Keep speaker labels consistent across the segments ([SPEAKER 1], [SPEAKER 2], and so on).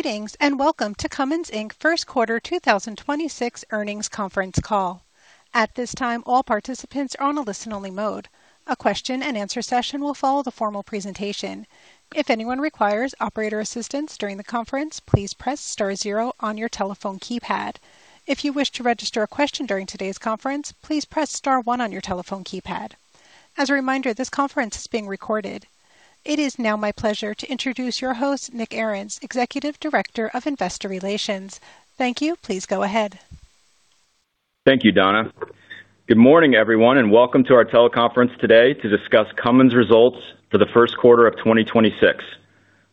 [SPEAKER 1] Greetings, welcome to Cummins Inc.'s Q1 2026 earnings conference call. At this time, all participants are on a listen-only mode. A question-and-answer session will follow the formal presentation. If anyone requires operator assistance during the conference, please press star 0 on your telephone keypad. If you wish to register a question during today's conference, please press star one on your telephone keypad. As a reminder, this conference is being recorded. It is now my pleasure to introduce your host, Nick Arens, Executive Director of Investor Relations. Thank you. Please go ahead.
[SPEAKER 2] Thank you, Donna. Good morning, everyone, and welcome to our teleconference today to discuss Cummins' results for the Q1 of 2026.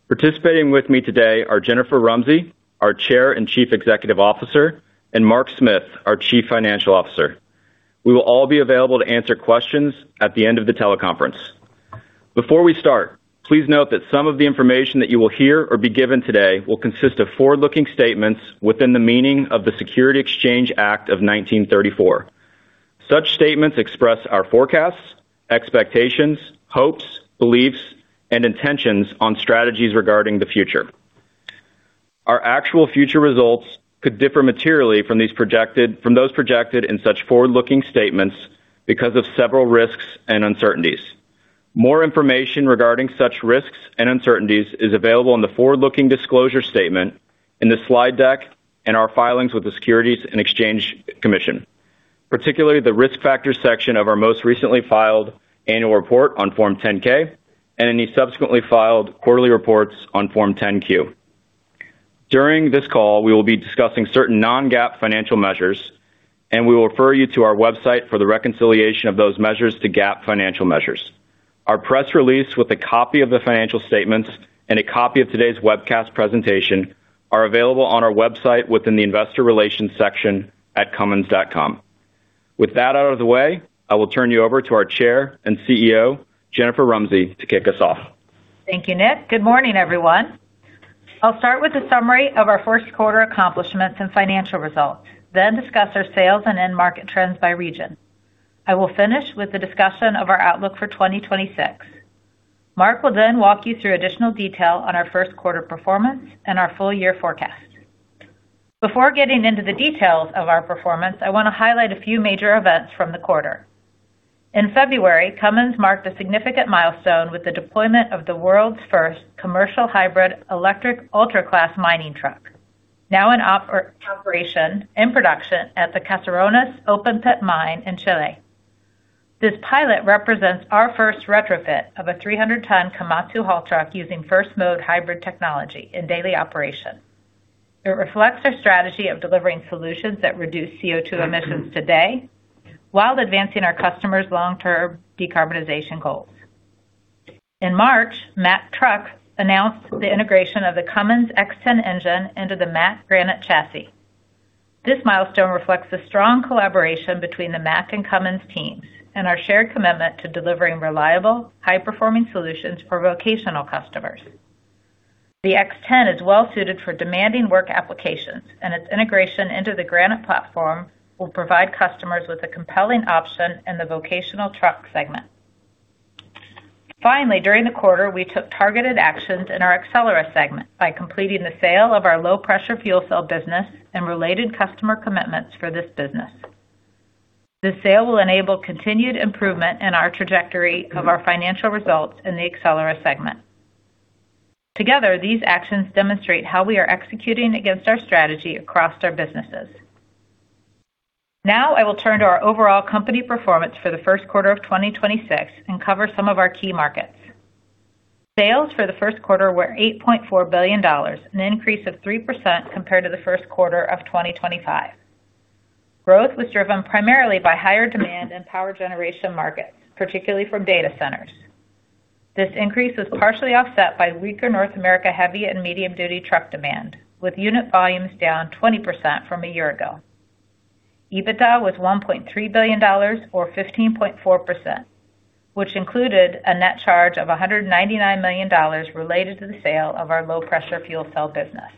[SPEAKER 2] Participating with me today are Jennifer Rumsey, our Chair and Chief Executive Officer, and Mark Smith, our Chief Financial Officer. We will all be available to answer questions at the end of the teleconference. Before we start, please note that some of the information that you will hear or be given today will consist of forward-looking statements within the meaning of the Securities Exchange Act of 1934. Such statements express our forecasts, expectations, hopes, beliefs, and intentions on strategies regarding the future. Our actual future results could differ materially from those projected in such forward-looking statements because of several risks and uncertainties. More information regarding such risks and uncertainties is available in the forward-looking disclosure statement in the slide deck and our filings with the Securities and Exchange Commission, particularly the Risk Factors section of our most recently filed annual report on Form 10-K and any subsequently filed quarterly reports on Form 10-Q. During this call, we will be discussing certain non-GAAP financial measures, and we will refer you to our website for the reconciliation of those measures to GAAP financial measures. Our press release with a copy of the financial statements and a copy of today's webcast presentation are available on our website within the Investor Relations section at cummins.com. With that out of the way, I will turn you over to our Chair and CEO, Jennifer Rumsey, to kick us off.
[SPEAKER 3] Thank you, Nick. Good morning, everyone. I'll start with a summary of our Q1 accomplishments and financial results, then discuss our sales and end market trends by region. I will finish with the discussion of our outlook for 2026. Mark will then walk you through additional detail on our Q1 performance and our full year forecast. Before getting into the details of our performance, I want to highlight a few major events from the quarter. In February, Cummins marked a significant milestone with the deployment of the world's first commercial hybrid electric ultra-class mining truck, now in operation and production at the Caserones open pit mine in Chile. This pilot represents our first retrofit of a 300-ton Komatsu haul truck using First Mode hybrid technology in daily operation. It reflects our strategy of delivering solutions that reduce CO2 emissions today while advancing our customers' long-term decarbonization goals. In March, Mack Trucks announced the integration of the Cummins X10 engine into the Mack Granite chassis. This milestone reflects the strong collaboration between the Mack and Cummins teams and our shared commitment to delivering reliable, high-performing solutions for vocational customers. The X10 is well-suited for demanding work applications, and its integration into the Granite platform will provide customers with a compelling option in the vocational truck segment. Finally, during the quarter, we took targeted actions in our Accelera segment by completing the sale of our low-pressure fuel cell business and related customer commitments for this business. The sale will enable continued improvement in our trajectory of our financial results in the Accelera segment. Together, these actions demonstrate how we are executing against our strategy across our businesses. Now I will turn to our overall company performance for the Q1 of 2026 and cover some of our key markets. Sales for the Q1 were $8.4 billion, an increase of 3% compared to the Q1 of 2025. Growth was driven primarily by higher demand in power generation markets, particularly from data centers. This increase was partially offset by weaker North America heavy and medium duty truck demand, with unit volumes down 20% from a year ago. EBITDA was $1.3 billion or 15.4%, which included a net charge of $199 million related to the sale of our low-pressure fuel cell business.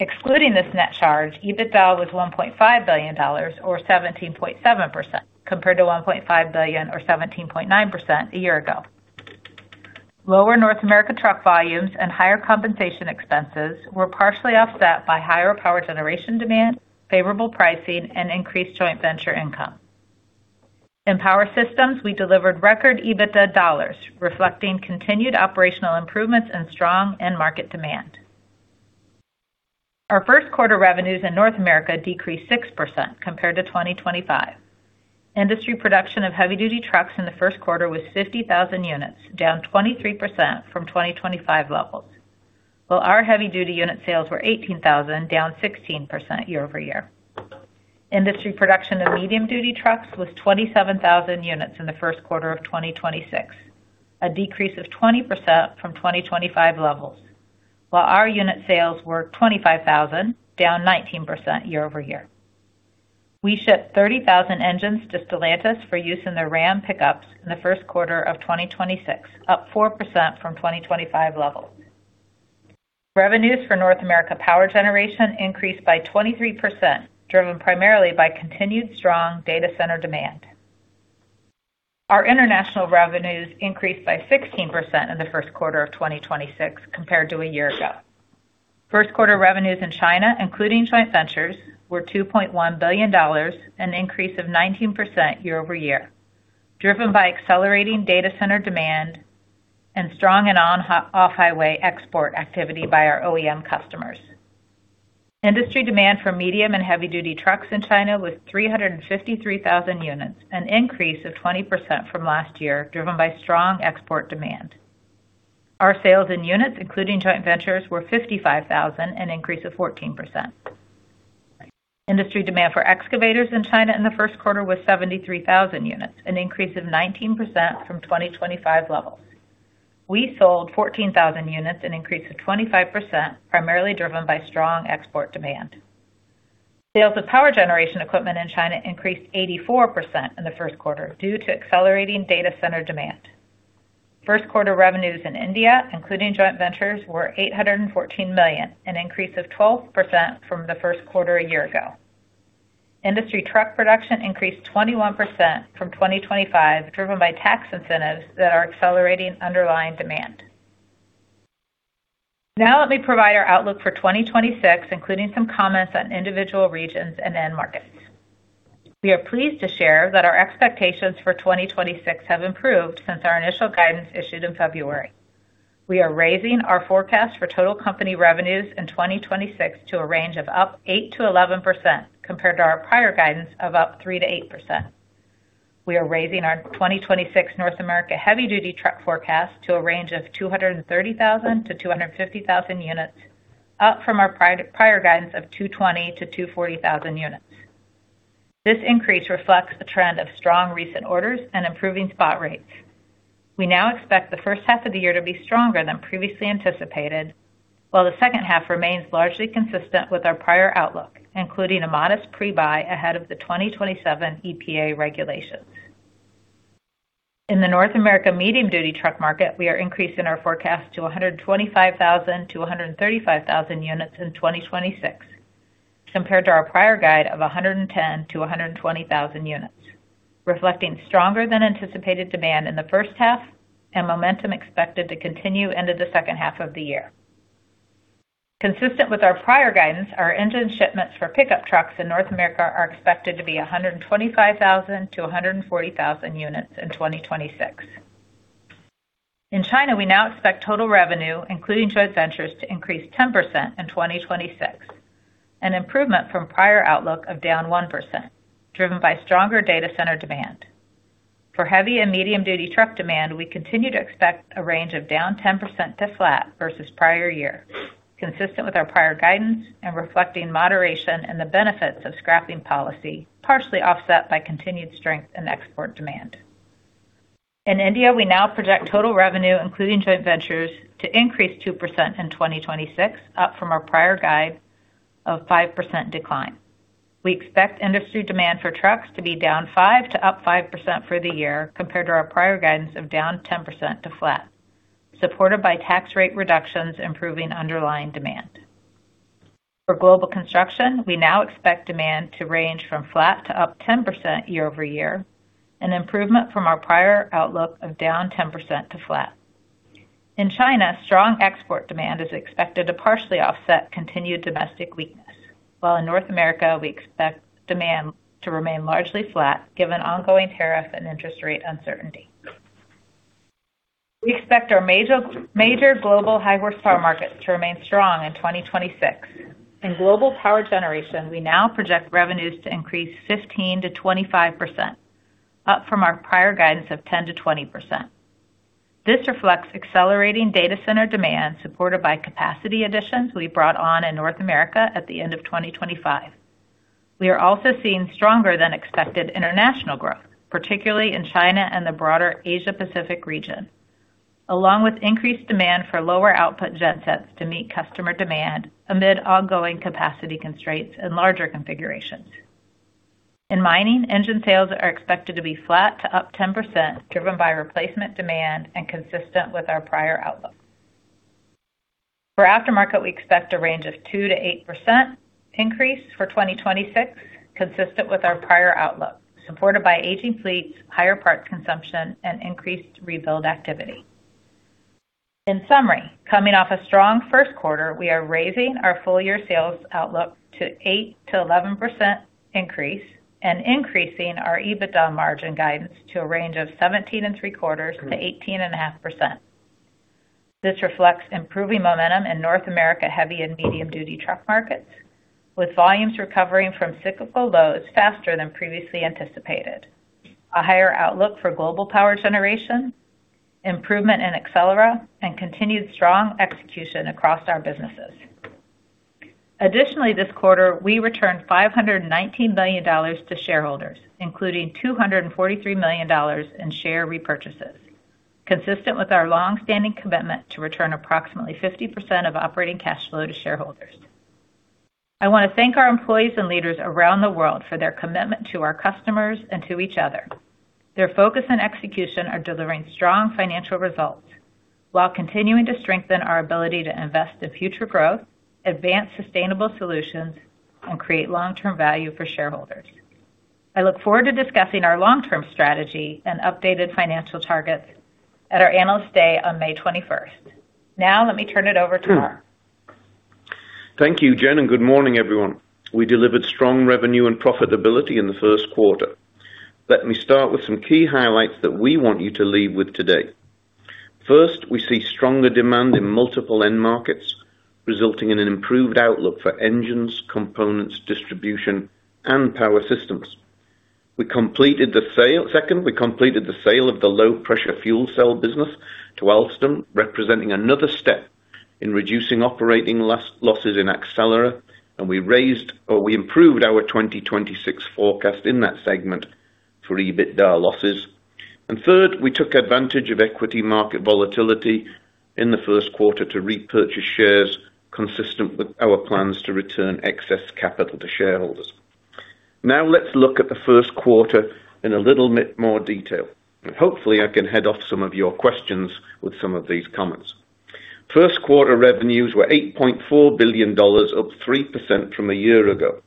[SPEAKER 3] Excluding this net charge, EBITDA was $1.5 billion or 17.7% compared to $1.5 billion or 17.9% a year ago. Lower North America truck volumes and higher compensation expenses were partially offset by higher power generation demand, favorable pricing, and increased joint venture income. In Power Systems, we delivered record EBITDA dollars, reflecting continued operational improvements and strong end market demand. Our Q1 revenues in North America decreased 6% compared to 2025. Industry production of heavy-duty trucks in the Q1 was 50,000 units, down 23% from 2025 levels, while our heavy-duty unit sales were 18,000, down 16% year-over-year. Industry production of medium-duty trucks was 27,000 units in the Q1 of 2026, a decrease of 20% from 2025 levels, while our unit sales were 25,000, down 19% year-over-year. We shipped 30,000 engines to Stellantis for use in their Ram pickups in the Q1 of 2026, up 4% from 2025 levels. Revenues for North America power generation increased by 23%, driven primarily by continued strong data center demand. Our international revenues increased by 16% in the Q1 of 2026 compared to a year ago. Q1 revenues in China, including joint ventures, were $2.1 billion, an increase of 19% year-over-year, driven by accelerating data center demand and strong off-highway export activity by our OEM customers. Industry demand for medium and heavy-duty trucks in China was 353,000 units, an increase of 20% from last year, driven by strong export demand. Our sales in units, including joint ventures, were 55,000, an increase of 14%. Industry demand for excavators in China in the Q1 was 73,000 units, an increase of 19% from 2025 levels. We sold 14,000 units, an increase of 25%, primarily driven by strong export demand. Sales of power generation equipment in China increased 84% in the Q1 due to accelerating data center demand. Q1 revenues in India, including joint ventures, were $814 million, an increase of 12% from the Q1 a year ago. Industry truck production increased 21% from 2025, driven by tax incentives that are accelerating underlying demand. Let me provide our outlook for 2026, including some comments on individual regions and end markets. We are pleased to share that our expectations for 2026 have improved since our initial guidance issued in February. We are raising our forecast for total company revenues in 2026 to a range of up 8%-11% compared to our prior guidance of up 3%-8%. We are raising our 2026 North America heavy-duty truck forecast to a range of 230,000-250,000 units, up from our prior guidance of 220,000-240,000 units. This increase reflects a trend of strong recent orders and improving spot rates. We now expect the H1 of the year to be stronger than previously anticipated, while the H2 remains largely consistent with our prior outlook, including a modest pre-buy ahead of the 2027 EPA regulations. In the North America medium-duty truck market, we are increasing our forecast to 125,000-135,000 units in 2026 compared to our prior guide of 110,000-120,000 units, reflecting stronger than anticipated demand in the H1 and momentum expected to continue into the H2 of the year. Consistent with our prior guidance, our engine shipments for pickup trucks in North America are expected to be 125,000-140,000 units in 2026. In China, we now expect total revenue, including joint ventures, to increase 10% in 2026, an improvement from prior outlook of down 1% driven by stronger data center demand. For heavy and medium-duty truck demand, we continue to expect a range of down 10% to flat versus prior year, consistent with our prior guidance and reflecting moderation and the benefits of scrapping policy, partially offset by continued strength in export demand. In India, we now project total revenue, including joint ventures, to increase 2% in 2026, up from our prior guide of 5% decline. We expect industry demand for trucks to be down 5% to up 5% for the year compared to our prior guidance of down 10% to flat, supported by tax rate reductions improving underlying demand. For global construction, we now expect demand to range from flat to up 10% year-over-year, an improvement from our prior outlook of down 10% to flat. In China, strong export demand is expected to partially offset continued domestic weakness, while in North America, we expect demand to remain largely flat given ongoing tariff and interest rate uncertainty. We expect our major global high horsepower markets to remain strong in 2026. In global power generation, we now project revenues to increase 15%-25% up from our prior guidance of 10%-20%. This reflects accelerating data center demand supported by capacity additions we brought on in North America at the end of 2025. We are also seeing stronger than expected international growth, particularly in China and the broader Asia Pacific region, along with increased demand for lower output gen sets to meet customer demand amid ongoing capacity constraints and larger configurations. In mining, engine sales are expected to be flat to up 10% driven by replacement demand and consistent with our prior outlook. For aftermarket, we expect a range of 2%-8% increase for 2026 consistent with our prior outlook, supported by aging fleets, higher parts consumption, and increased rebuild activity. In summary, coming off a strong Q1, we are raising our full year sales outlook to 8%-11% increase and increasing our EBITDA margin guidance to a range of 17.75%-18.5%. This reflects improving momentum in North America heavy and medium-duty truck markets, with volumes recovering from cyclical lows faster than previously anticipated, a higher outlook for global power generation, improvement in Accelera, and continued strong execution across our businesses. Additionally, this quarter we returned $519 million to shareholders, including $243 million in share repurchases, consistent with our long-standing commitment to return approximately 50% of operating cash flow to shareholders. I want to thank our employees and leaders around the world for their commitment to our customers and to each other. Their focus and execution are delivering strong financial results. While continuing to strengthen our ability to invest in future growth, advance sustainable solutions, and create long-term value for shareholders. I look forward to discussing our long-term strategy and updated financial targets at our Analyst Day on May twenty-first. Now let me turn it over to Mark.
[SPEAKER 4] Thank you, Jen, good morning, everyone. We delivered strong revenue and profitability in the Q1. Let me start with some key highlights that we want you to leave with today. First, we see stronger demand in multiple end markets, resulting in an improved outlook for engines, components, distribution, and power systems. Second, we completed the sale of the low-pressure fuel cell business to Alstom, representing another step in reducing operating losses in Accelera, and we raised or we improved our 2026 forecast in that segment for EBITDA losses. Third, we took advantage of equity market volatility in the Q1 to repurchase shares consistent with our plans to return excess capital to shareholders. Now let's look at the Q1 in a little bit more detail, and hopefully, I can head off some of your questions with some of these comments. Q1 revenues were $8.4 billion, up 3% from a year ago.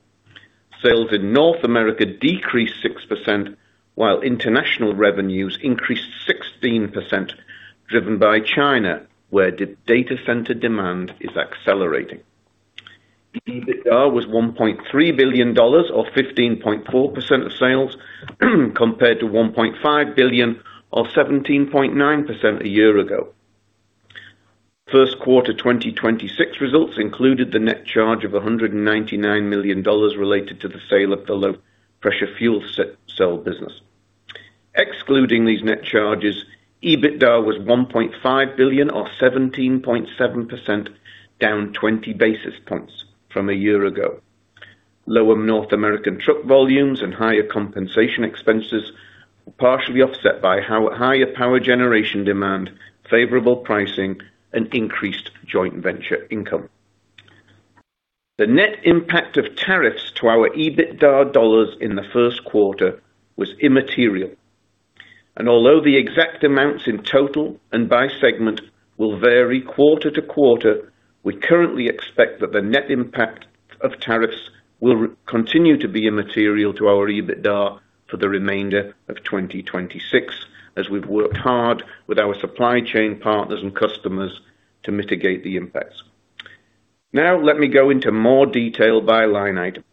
[SPEAKER 4] Sales in North America decreased 6%, while international revenues increased 16%, driven by China, where the data center demand is accelerating. EBITDA was $1.3 billion or 15.4% of sales, compared to $1.5 billion or 17.9% a year ago. Q1 2026 results included the net charge of $199 million related to the sale of the low-pressure fuel cell business. Excluding these net charges, EBITDA was $1.5 billion or 17.7%, down 20-basis points from a year ago. Lower North American truck volumes and higher compensation expenses were partially offset by higher power generation demand, favorable pricing, and increased joint venture income. The net impact of tariffs to our EBITDA dollars in the Q1 was immaterial. Although the exact amounts in total and by segment will vary quarter-to-quarter, we currently expect that the net impact of tariffs will continue to be immaterial to our EBITDA for the remainder of 2026, as we've worked hard with our supply chain partners and customers to mitigate the impacts. Now let me go into more detail by line item.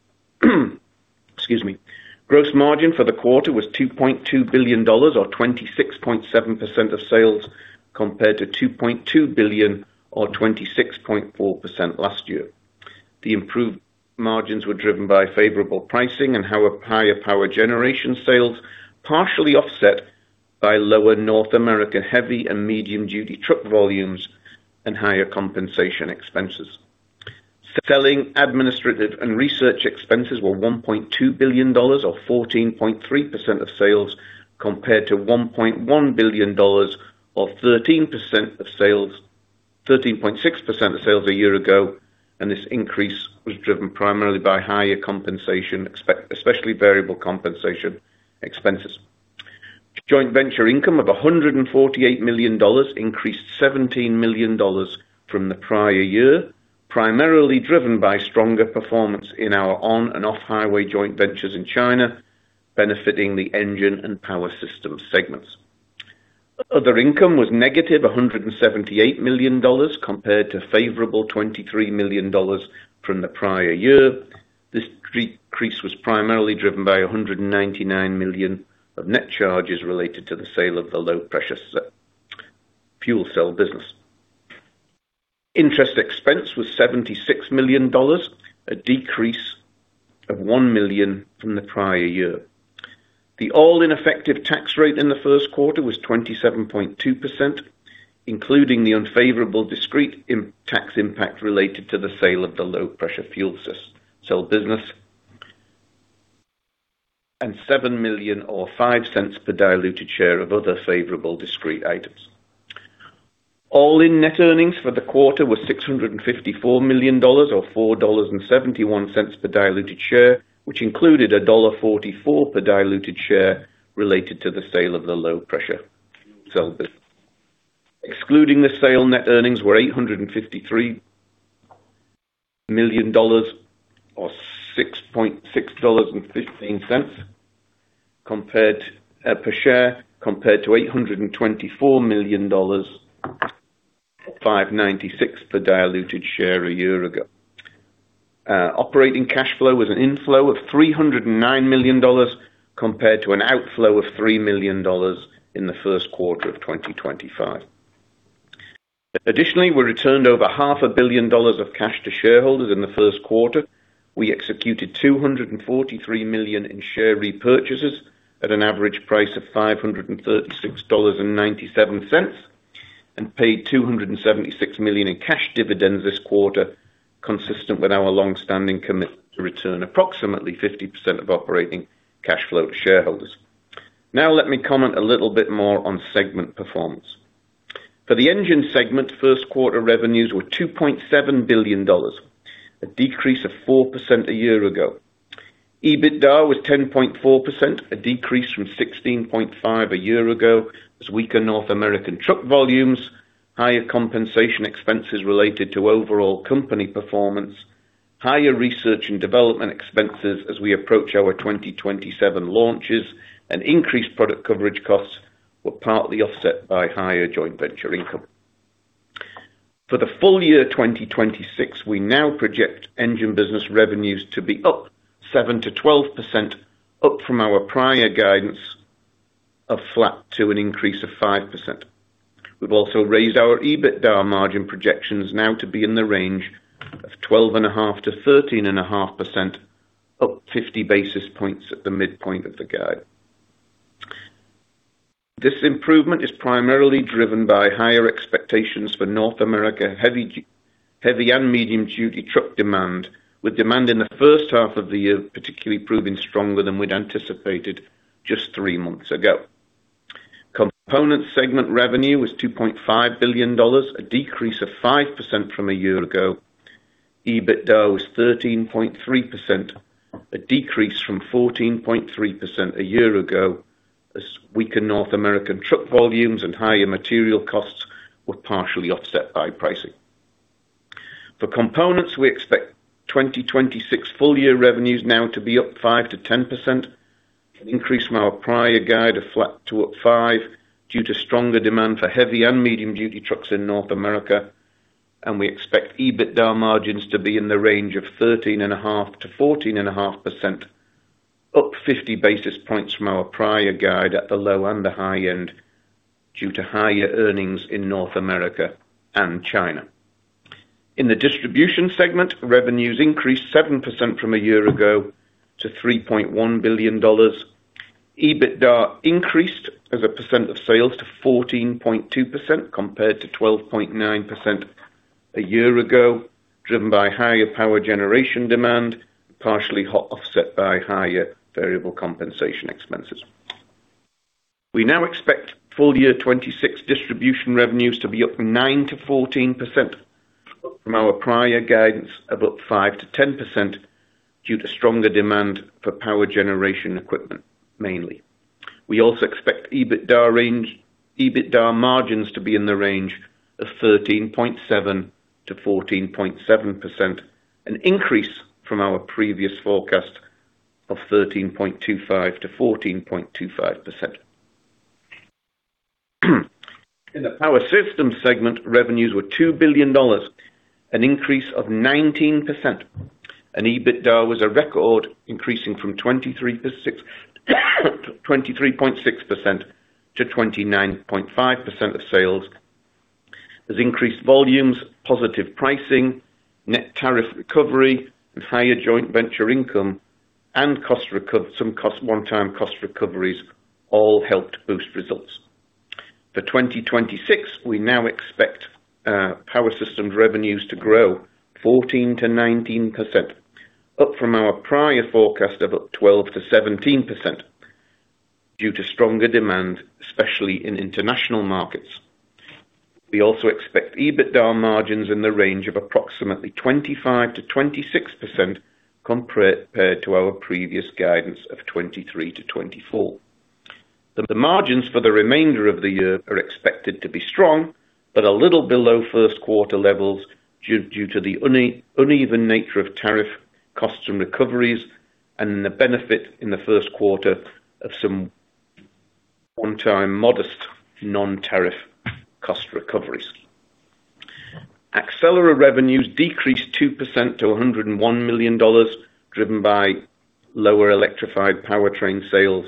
[SPEAKER 4] Excuse me. Gross margin for the quarter was $2.2 billion or 26.7% of sales compared to $2.2 billion or 26.4% last year. The improved margins were driven by favorable pricing and higher power generation sales, partially offset by lower North American heavy and medium-duty truck volumes and higher compensation expenses. Selling, administrative, and research expenses were $1.2 billion or 14.3% of sales, compared to $1.1 billion or 13% of sales, 13.6% of sales a year ago. This increase was driven primarily by higher compensation, especially variable compensation expenses. Joint venture income of $148 million increased $17 million from the prior year, primarily driven by stronger performance in our on-and off-highway joint ventures in China, benefiting the engine and power system segments. Other income was negative $178 million compared to favorable $23 million from the prior year. This decrease was primarily driven by $199 million of net charges related to the sale of the low-pressure fuel cell business. Interest expense was $76 million, a decrease of $1 million from the prior year. The all-in effective tax rate in the Q1 was 27.2%, including the unfavorable discrete tax impact related to the sale of the low-pressure fuel cell business and $7 million or $0.05 per diluted share of other favorable discrete items. All-in net earnings for the quarter were $654 million or $4.71 per diluted share, which included $1.44 per diluted share related to the sale of the low-pressure fuel cell business. Excluding the sale, net earnings were $853 million or $6.615 per share compared to $824 million, $5.96 per diluted share a year ago. Operating cash flow was an inflow of $309 million compared to an outflow of $3 million in the Q1 of 2025. Additionally, we returned over half a billion dollars of cash to shareholders in the Q1. We executed $243 million in share repurchases at an average price of $536.97 and paid $276 million in cash dividends this quarter, consistent with our longstanding commitment to return approximately 50% of operating cash flow to shareholders. Now let me comment a little bit more on segment performance. For the engine segment, Q1 revenues were $2.7 billion, a decrease of 4% a year ago. EBITDA was 10.4%, a decrease from 16.5% a year ago as weaker North American truck volumes, higher compensation expenses related to overall company performance, higher research and development expenses as we approach our 2027 launches and increased product coverage costs were partly offset by higher joint venture income. For the full year 2026, we now project engine business revenues to be up 7%-12%, up from our prior guidance of flat to an increase of 5%. We've also raised our EBITDA margin projections now to be in the range of 12.5%-13.5%, up 50-basis points at the midpoint of the guide. This improvement is primarily driven by higher expectations for North America heavy and medium-duty truck demand, with demand in the H1 of the year particularly proving stronger than we'd anticipated just three months ago. Component segment revenue was $2.5 billion, a decrease of 5% from a year ago. EBITDA was 13.3%, a decrease from 14.3% a year ago as weaker North American truck volumes and higher material costs were partially offset by pricing. For components, we expect 2026 full year revenues now to be up 5%-10%, an increase from our prior guide of flat to up 5% due to stronger demand for heavy and medium-duty trucks in North America. We expect EBITDA margins to be in the range of 13.5%-14.5%, up 50-basis points from our prior guide at the low and the high end due to higher earnings in North America and China. In the distribution segment, revenues increased 7% from a year ago to $3.1 billion. EBITDA increased as a percent of sales to 14.2% compared to 12.9% a year ago, driven by higher power generation demand, partially offset by higher variable compensation expenses. We now expect full year 2026 distribution revenues to be up 9%-14% from our prior guidance of up 5%-10% due to stronger demand for power generation equipment, mainly. We also expect EBITDA margins to be in the range of 13.7%-14.7%, an increase from our previous forecast of 13.25%-14.25%. In the Power Systems segment, revenues were $2 billion, an increase of 19%, and EBITDA was a record, increasing from 23.6%-29.5% of sales as increased volumes, positive pricing, net tariff recovery with higher joint venture income and one-time cost recoveries all helped boost results. For 2026, we now expect Power Systems revenues to grow 14%-19%, up from our prior forecast of up 12%-17% due to stronger demand, especially in international markets. We also expect EBITDA margins in the range of approximately 25%-26% compared to our previous guidance of 23%-24%. The margins for the remainder of the year are expected to be strong, but a little below Q1 levels due to the uneven nature of tariff costs and recoveries and the benefit in the Q1 of some one-time modest non-tariff cost recoveries. Accelera revenues decreased 2% to $101 million, driven by lower electrified powertrain sales,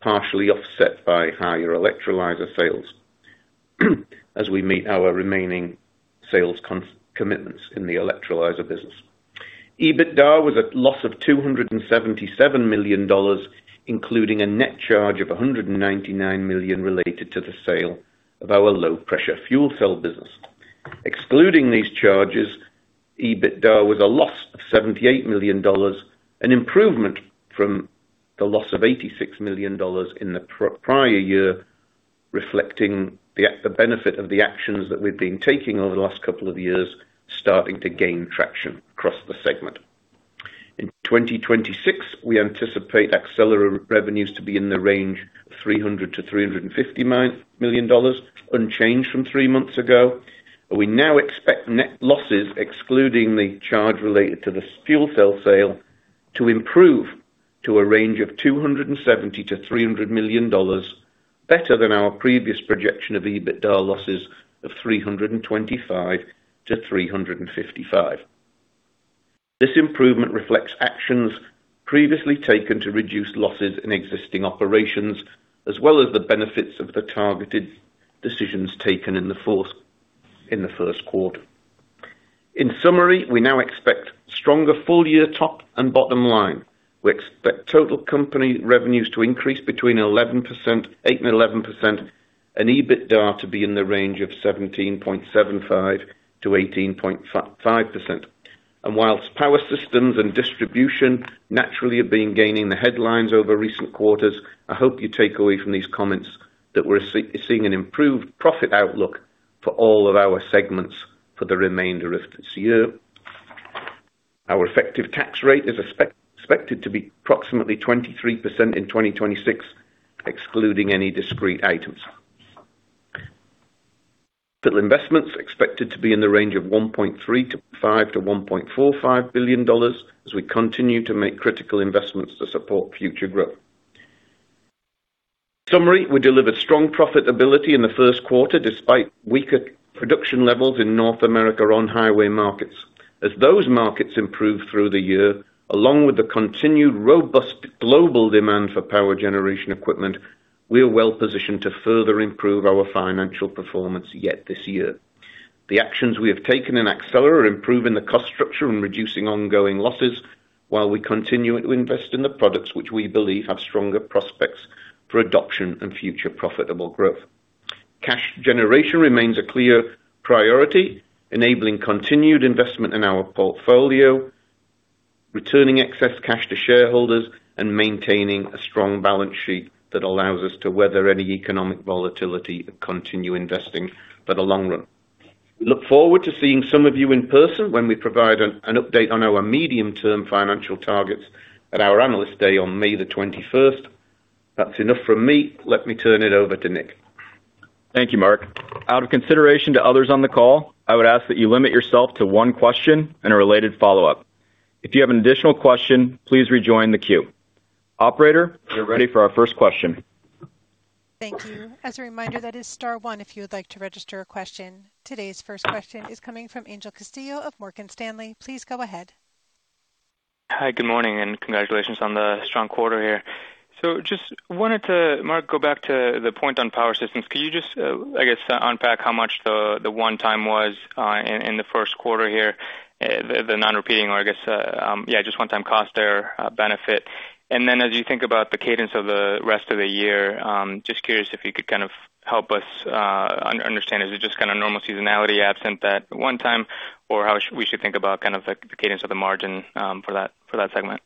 [SPEAKER 4] partially offset by higher electrolyzer sales as we meet our remaining sales commitments in the electrolyzer business. EBITDA was a loss of $277 million, including a net charge of $199 million related to the sale of our low-pressure fuel cell business. Excluding these charges, EBITDA was a loss of $78 million, an improvement from the loss of $86 million in the pre-prior year, reflecting the benefit of the actions that we've been taking over the last couple of years, starting to gain traction across the segment. In 2026, we anticipate Accelera revenues to be in the range of $300-$350 million, unchanged from three months ago. We now expect net losses, excluding the charge related to the fuel cell sale, to improve to a range of $270-$300 million, better than our previous projection of EBITDA losses of $325-$355 million. This improvement reflects actions previously taken to reduce losses in existing operations, as well as the benefits of the targeted decisions taken in the Q1. In summary, we now expect stronger full year top and bottom line. We expect total company revenues to increase between 8%-11%, and EBITDA to be in the range of 17.75%-18.5%. Whilst Power Systems and Distribution naturally have been gaining the headlines over recent quarters, I hope you take away from these comments that we're seeing an improved profit outlook for all of our segments for the remainder of this year. Our effective tax rate is expected to be approximately 23% in 2026, excluding any discrete items. Capital investments expected to be in the range of $1.35-$1.45 billion as we continue to make critical investments to support future growth. In summary, we delivered strong profitability in the Q1 despite weaker production levels in North America on highway markets. As those markets improve through the year, along with the continued robust global demand for power generation equipment, we are well-positioned to further improve our financial performance yet this year. The actions we have taken in Accelera are improving the cost structure and reducing ongoing losses while we continue to invest in the products which we believe have stronger prospects for adoption and future profitable growth. Cash generation remains a clear priority, enabling continued investment in our portfolio, returning excess cash to shareholders, and maintaining a strong balance sheet that allows us to weather any economic volatility and continue investing for the long run. We look forward to seeing some of you in person when we provide an update on our medium-term financial targets at our Analyst Day on May the 21st. That's enough from me. Let me turn it over to Nick.
[SPEAKER 2] Thank you, Mark. Out of consideration to others on the call, I would ask that you limit yourself to one question and a related follow-up. If you have an additional question, please rejoin the queue. Operator, we're ready for our first question.
[SPEAKER 1] Thank you. As a reminder, that is star one if you would like to register a question. Today's first question is coming from Angel Castillo of Morgan Stanley. Please go ahead.
[SPEAKER 5] Hi, good morning, and congratulations on the strong quarter here. Just wanted to, Mark, go back to the point on power systems. Could you just, I guess, unpack how much the one time was in the Q1 here, the non-repeating, or I guess, yeah, just one-time cost or benefit. Then as you think about the cadence of the rest of the year, just curious if you could kind of help us understand, is it just kind of normal seasonality absent that one time? Or how we should think about kind of the cadence of the margin for that segment?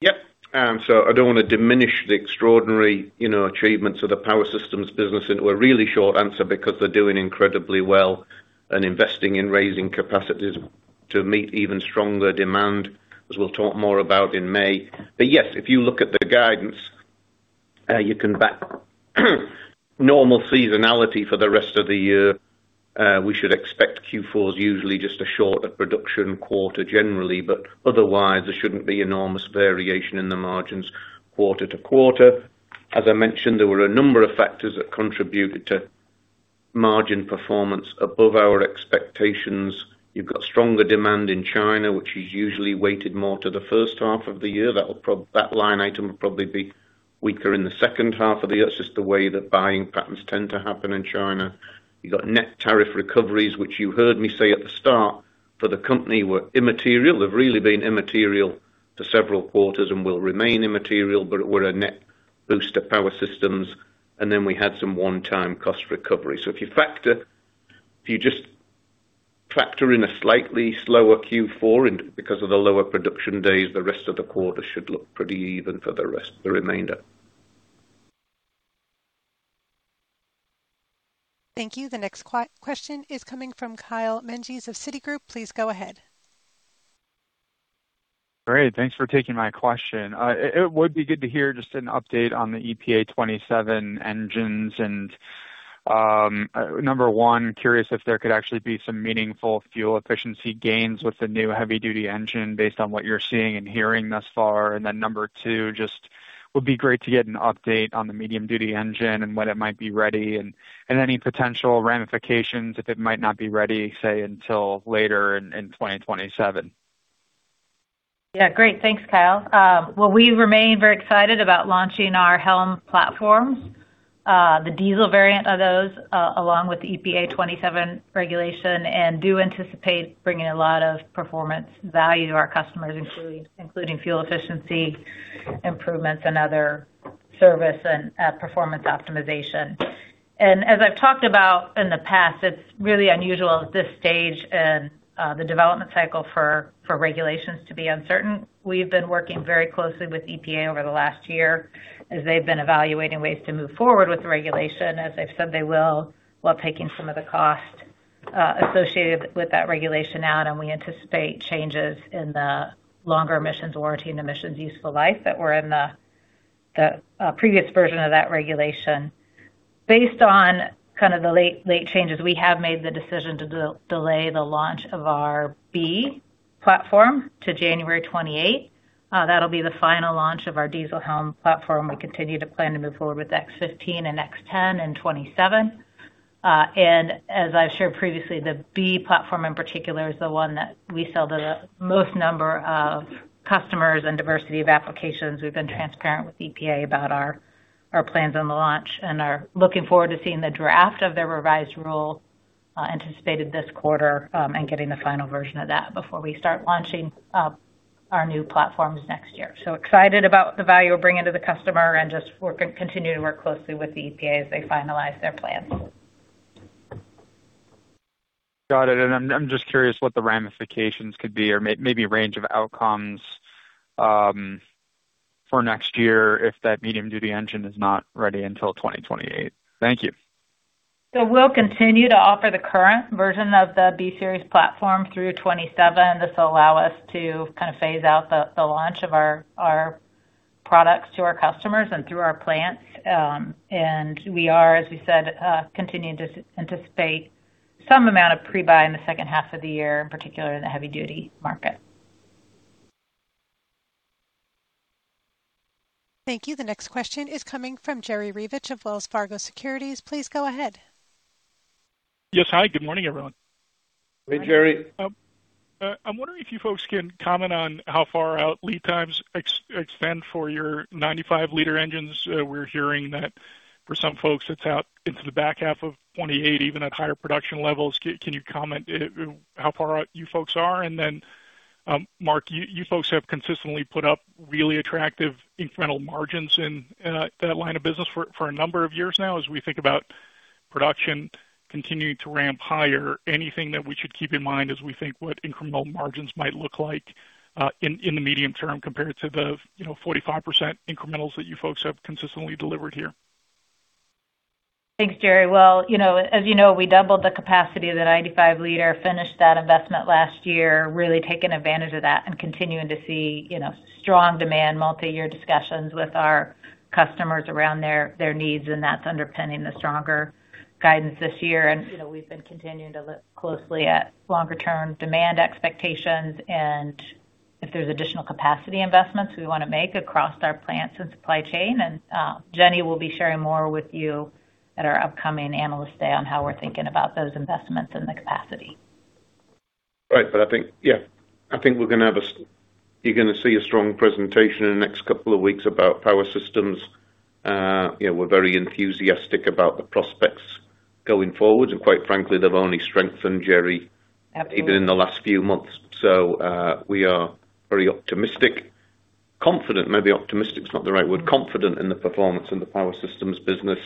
[SPEAKER 4] Yep. I don't want to diminish the extraordinary, you know, achievements of the Power Systems business into a really short answer because they're doing incredibly well and investing in raising capacities to meet even stronger demand, as we'll talk more about in May. Yes, if you look at the guidance, you can back normal seasonality for the rest of the year. We should expect Q4 is usually just a shorter production quarter generally, but otherwise, there shouldn't be enormous variation in the margins quarter-to-quarter. As I mentioned, there were a number of factors that contributed to margin performance above our expectations. You've got stronger demand in China, which is usually weighted more to the H1 of the year. That line item will probably be weaker in the H2 of the year. It's just the way that buying patterns tend to happen in China. You got net tariff recoveries, which you heard me say at the start for the company were immaterial. They've really been immaterial for several quarters and will remain immaterial but were a net boost to power systems. Then we had some one-time cost recovery. If you just factor in a slightly slower Q4 and because of the lower production days, the rest of the quarter should look pretty even for the remainder.
[SPEAKER 1] Thank you. The next question is coming from Kyle Menges of Citigroup. Please go ahead.
[SPEAKER 6] Great. Thanks for taking my question. It would be good to hear just an update on the EPA 2027 engines, number one, curious if there could actually be some meaningful fuel efficiency gains with the new heavy-duty engine based on what you're seeing and hearing thus far. Number two, just would be great to get an update on the medium-duty engine and when it might be ready and any potential ramifications if it might not be ready, say, until later in 2027.
[SPEAKER 3] Yeah. Great. Thanks, Kyle. Well, we remain very excited about launching our HELM platforms. The diesel variant of those, along with the EPA 2027 regulation, do anticipate bringing a lot of performance value to our customers, including fuel efficiency improvements and other service and performance optimization. As I've talked about in the past, it's really unusual at this stage in the development cycle for regulations to be uncertain. We've been working very closely with EPA over the last year as they've been evaluating ways to move forward with the regulation, as they've said they will, while taking some of the cost associated with that regulation out. We anticipate changes in the longer emissions warranty and emissions useful life that were in the previous version of that regulation. Based on kind of the late changes, we have made the decision to de-delay the launch of our B-platform to January 28. That'll be the final launch of our diesel HELM platform. We continue to plan to move forward with X15 and X10 in 2027. As I've shared previously, the B-platform in particular is the one that we sell to the greatest number of customers and diversity of applications. We've been transparent with EPA about our plans on the launch and are looking forward to seeing the draft of their revised rule, anticipated this quarter, and getting the final version of that before we start launching our new platforms next year. Excited about the value we're bringing to the customer and just continue to work closely with the EPA as they finalize their plans.
[SPEAKER 6] Got it. I'm just curious what the ramifications could be or maybe range of outcomes for next year if that medium-duty engine is not ready until 2028. Thank you.
[SPEAKER 3] We'll continue to offer the current version of the B-Series platform through 2027. This will allow us to kind of phase out the launch of our products to our customers and through our plants. And we are, as we said, continuing to anticipate some amount of pre-buy in the H2 of the year, in particular in the heavy-duty market.
[SPEAKER 1] Thank you. The next question is coming from Jerry Revich of Wells Fargo Securities. Please go ahead.
[SPEAKER 7] Yes. Hi, good morning, everyone.
[SPEAKER 4] Hey, Jerry.
[SPEAKER 7] I'm wondering if you folks can comment on how far out lead times extend for your 95-liter engines. We're hearing that for some folks it's out into the back half of 2028, even at higher production levels. Can you comment how far out you folks are? Mark, you folks have consistently put up really attractive incremental margins in that line of business for a number of years now as we think about production continuing to ramp higher. Anything that we should keep in mind as we think what incremental margins might look like in the medium term compared to the, you know, 45% incremental that you folks have consistently delivered here?
[SPEAKER 3] Thanks, Jerry. Well, you know, as you know, we doubled the capacity of the 95-liter, finished that investment last year, really taken advantage of that and continuing to see, you know, strong demand, multi-year discussions with our customers around their needs, and that's underpinning the stronger guidance this year. You know, we've been continuing to look closely at longer term demand expectations and if there's additional capacity investments we want to make across our plants and supply chain. Jennifer Rumsey will be sharing more with you at our upcoming Analyst Day on how we're thinking about those investments and the capacity.
[SPEAKER 4] Right. I think Yeah, I think you're going to see a strong presentation in the next couple of weeks about Power Systems. You know, we're very enthusiastic about the prospects going forward. Quite frankly, they've only strengthened, Jerry.
[SPEAKER 3] Absolutely
[SPEAKER 4] even in the last few months. We are very optimistic. Confident, maybe optimistic is not the right word. Confident in the performance in the Power Systems business.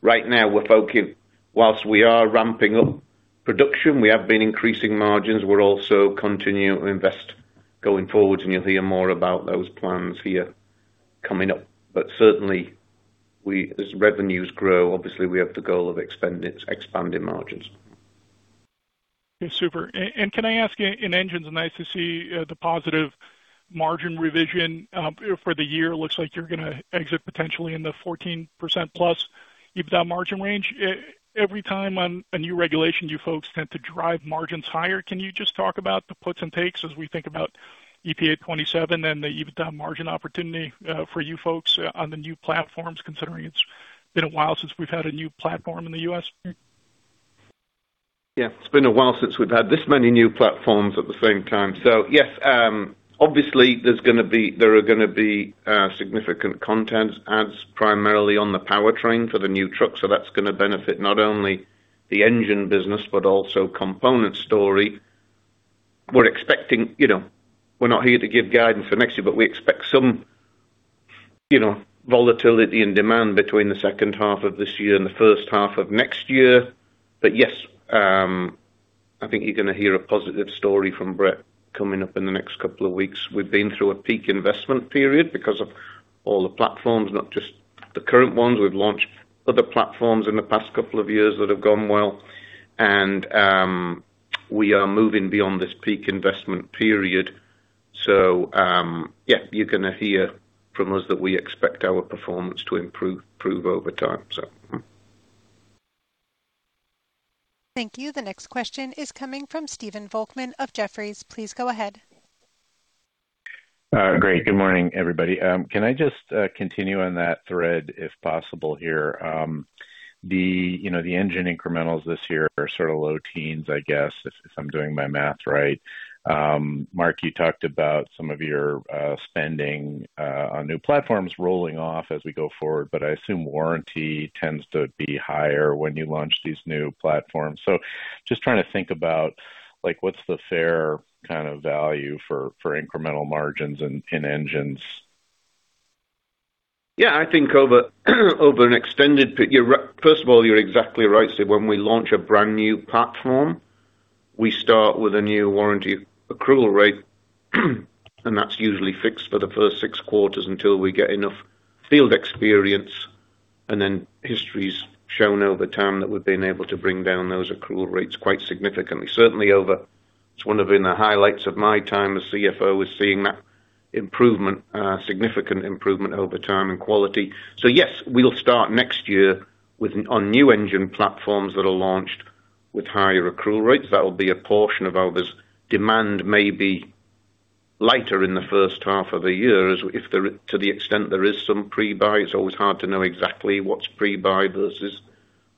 [SPEAKER 4] Right now, we're focusing Whilst we are ramping up production, we have been increasing margins. We're also continuing to invest going forward, and you'll hear more about those plans here coming up. Certainly we, as revenues grow, obviously we have the goal of expanding margins.
[SPEAKER 7] Yeah. Super. And can I ask you, in engines, nice to see the positive margin revision for the year. Looks like you're going to exit potentially in the 14% plus EBITDA margin range. Every time on a new regulation, you folks tend to drive margins higher. Can you just talk about the puts and takes as we think about EPA 2027 and the EBITDA margin opportunity for you folks on the new platforms, considering it's been a while since we've had a new platform in the U.S.?
[SPEAKER 4] Yeah, it's been a while since we've had this many new platforms at the same time. Yes, obviously there are going to be significant content adds primarily on the powertrain for the new truck. That's going to benefit not only the engine business but also component story. We're expecting You know, we're not here to give guidance for next year, but we expect some, you know, volatility in demand between the H2 of this year and the H1 of next year. Yes, I think you're going to hear a positive story from Brett coming up in the next couple of weeks. We've been through a peak investment period because of all the platforms, not just the current ones. We've launched other platforms in the past couple of years that have gone well, and we are moving beyond this peak investment period. Yeah, you're going to hear from us that we expect our performance to improve over time.
[SPEAKER 1] Thank you. The next question is coming from Stephen Volkmann of Jefferies. Please go ahead.
[SPEAKER 8] Great. Good morning, everybody. Can I just continue on that thread, if possible, here? The, you know, the engine incremental this year are sort of low teens, I guess, if I'm doing my math right. Mark, you talked about some of your spending on new platforms rolling off as we go forward, but I assume warranty tends to be higher when you launch these new platforms. Just trying to think about, like, what's the fair kind of value for incremental margins in engines.
[SPEAKER 4] First of all, you're exactly right. When we launch a brand-new platform, we start with a new warranty accrual rate, and that's usually fixed for the first six quarters until we get enough field experience. History's shown over time that we've been able to bring down those accrual rates quite significantly. Certainly, over It's one of been the highlights of my time as CFO is seeing that improvement, significant improvement over time and quality. Yes, we'll start next year on new engine platforms that are launched with higher accrual rates. That will be a portion of our business. Demand may be lighter in the H1 of the year, as if there to the extent there is some pre-buy. It's always hard to know exactly what's pre-buy versus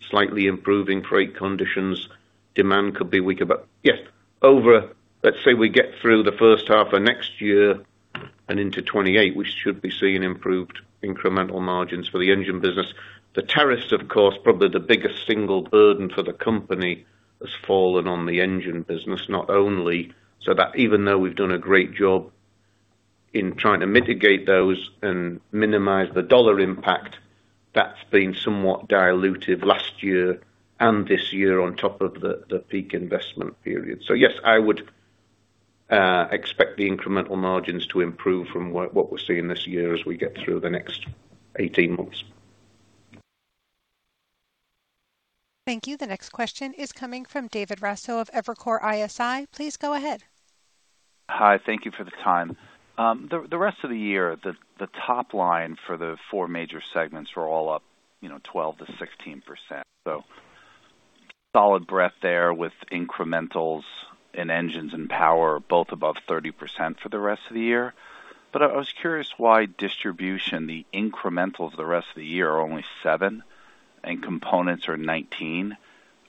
[SPEAKER 4] slightly improving freight conditions. Demand could be weaker. Yes, over, let's say we get through the H1 of next year and into 2028, we should be seeing improved incremental margins for the engine business. The tariffs, of course, probably the biggest single burden for the company has fallen on the engine business, not only so that even though we've done a great job in trying to mitigate those and minimize the dollar impact, but that's also been somewhat diluted last year and this year on top of the peak investment period. Yes, I would expect the incremental margins to improve from what we're seeing this year as we get through the next 18 months.
[SPEAKER 1] Thank you. The next question is coming from David Raso of Evercore ISI. Please go ahead.
[SPEAKER 9] Hi, thank you for the time. The rest of the year, the top line for the four major segments were all up, you know, 12%-16%. Solid breadth there with incremental and engines and power both above 30% for the rest of the year. I was curious why distribution, the incremental the rest of the year are only seven and components are 19.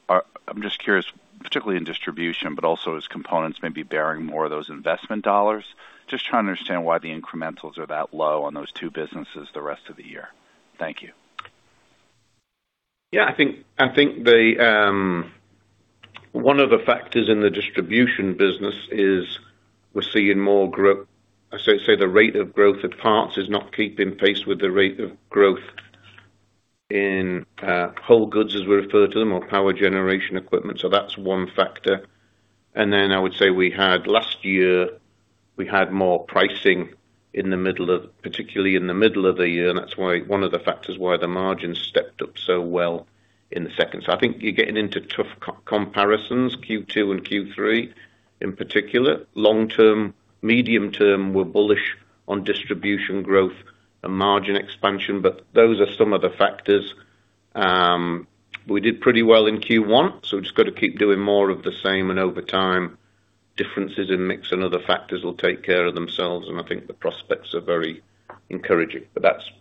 [SPEAKER 9] I'm just curious, particularly in distribution, but also as components may be bearing more of those investment dollars. Just trying to understand why the incremental are that low on those two businesses the rest of the year. Thank you.
[SPEAKER 4] I think the one of the factors in the distribution business is we're seeing more I say the rate of growth at parts is not keeping pace with the rate of growth in whole goods as we refer to them, or power generation equipment. That's one factor. Then I would say we had last year, we had more pricing in the middle of particularly in the middle of the year, and that's why one of the factors why the margins stepped up so well in the second. I think you're getting into tough co-comparisons, Q2 and Q3 in particular. Long-term, medium-term, we're bullish on distribution growth and margin expansion, those are some of the factors. We did pretty well in Q1. We've just got to keep doing more of the same and over time, differences in mix and other factors will take care of themselves. I think the prospects are very encouraging. That's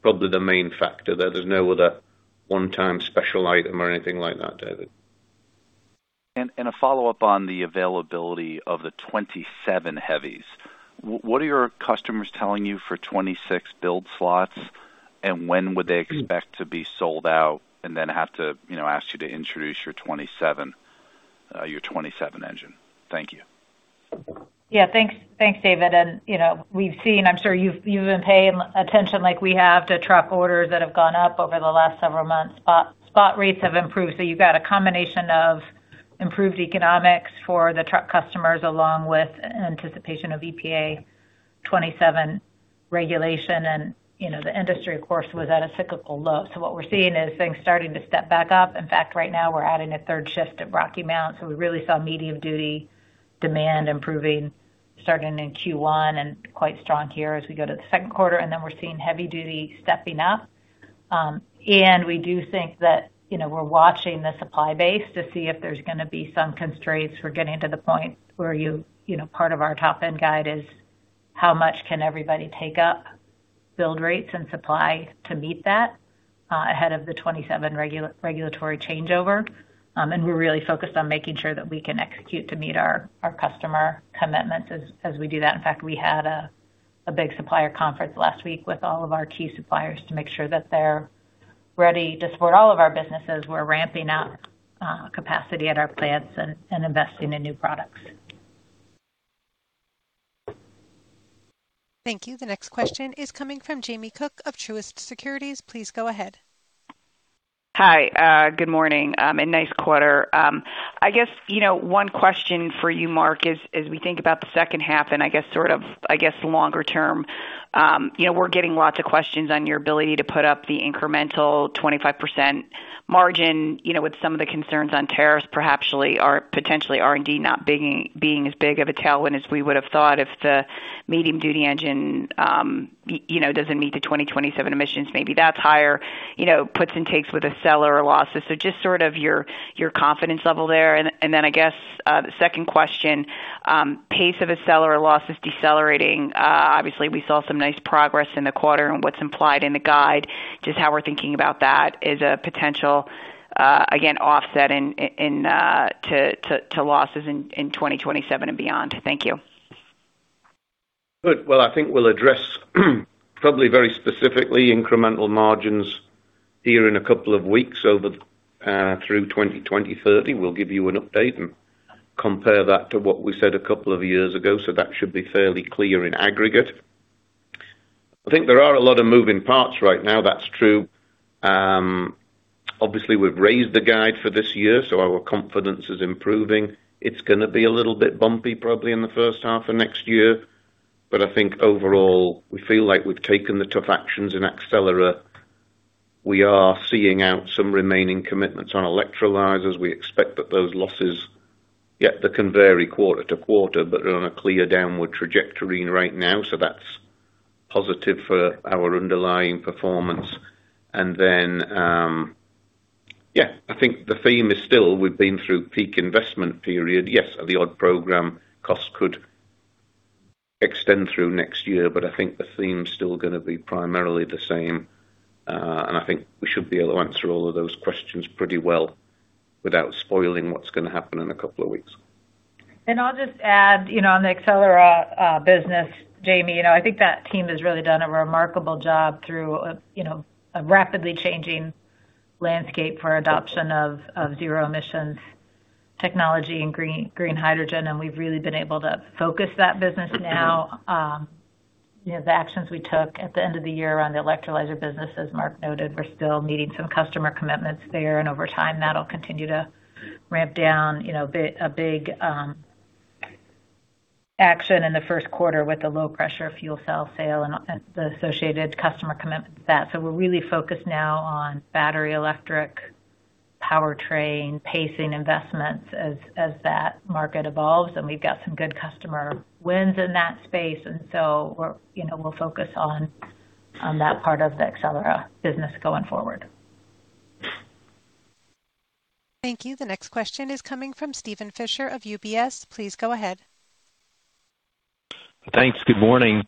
[SPEAKER 4] probably the main factor there. There's no other one-time special item or anything like that, David.
[SPEAKER 9] A follow-up on the availability of the 2027 heavies. What are your customers telling you for 2026 build slots? When would they expect to be sold out and then have to, you know, ask you to introduce your 2027, your 2027 engine? Thank you.
[SPEAKER 3] Yeah. Thanks, thanks, David. You know, we've seen, I'm sure you've been paying attention like we have to truck orders that have gone up over the last several months. Spot rates have improved. You've got a combination of improved economics for the truck customers, along with anticipation of EPA 2027 regulation. You know, the industry, of course, was at a cyclical low. What we're seeing is things starting to step back up. In fact, right now we're adding a third shift at Rocky Mount. We really saw medium duty demand improving starting in Q1 and quite strong here as we go to the Q2. We're seeing heavy duty stepping up. We do think that, you know, we're watching the supply base to see if there's going to be some constraints. We're getting to the point where you know, part of our top end guide is how much can everybody take up build rates and supply to meet that ahead of the 2027 regulatory changeover. We're really focused on making sure that we can execute to meet our customer commitments as we do that. In fact, we had a big supplier conference last week with all of our key suppliers to make sure that they're ready to support all of our businesses. We're ramping up capacity at our plants and investing in new products.
[SPEAKER 1] Thank you. The next question is coming from Jamie Cook of Truist Securities. Please go ahead.
[SPEAKER 10] Hi, good morning, nice quarter. I guess, you know, one question for you, Mark, is as we think about the H2 and I guess sort of, I guess, longer term, you know, we're getting lots of questions on your ability to put up the incremental 25% margin, you know, with some of the concerns on tariffs perhaps actually are potentially are indeed not being as big of a tailwind as we would have thought. If the medium duty engine, you know, doesn't meet the 2027 emissions, maybe that's higher, you know, puts and takes with Accelera losses. Just sort of your confidence level there. Then I guess the second question, pace of Accelera losses decelerating. Obviously, we saw some nice progress in the quarter and what's implied in the guide. Just how we're thinking about that is a potential, again, offset into losses in 2027 and beyond. Thank you.
[SPEAKER 4] Good. I think we'll address probably very specifically incremental margins here in two weeks over through 2030. We'll give you an update and compare that to what we said two years ago. That should be fairly clear in aggregate. I think there are a lot of moving parts right now. That's true. Obviously, we've raised the guide for this year, our confidence is improving. It's going to be a little bit bumpy probably in the H1 of next year. I think overall, we feel like we've taken the tough actions in Accelera. We are seeing out some remaining commitments on electrolyzers. We expect that those losses, yeah, they can vary quarter-to-quarter, they're on a clear downward trajectory right now. That's positive for our underlying performance. Yeah, I think the theme is still we've been through peak investment period. Yes, the odd program costs could extend through next year, but I think the theme is still going to be primarily the same. I think we should be able to answer all of those questions pretty well without spoiling what's going to happen in a couple of weeks.
[SPEAKER 3] I'll just add, you know, on the Accelera business, Jamie, you know, I think that team has really done a remarkable job through a, you know, a rapidly changing landscape for adoption of zero emissions technology and green hydrogen, and we've really been able to focus that business now. You know, the actions we took at the end of the year on the electrolyzer business, as Mark noted, we're still needing some customer commitments there, and over time, that'll continue to ramp down, you know, a big action in the Q1 with the low-pressure fuel cell sale and the associated customer commitment to that. We're really focused now on battery electric powertrain pacing investments as that market evolves, and we've got some good customer wins in that space. You know, we'll focus on that part of the Accelera business going forward.
[SPEAKER 1] Thank you. The next question is coming from Steven Fisher of UBS. Please go ahead.
[SPEAKER 11] Thanks. Good morning.